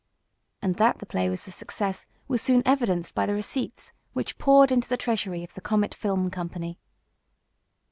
And that the play was a success was soon evidenced by the receipts which poured into the treasury of the Comet Film Company.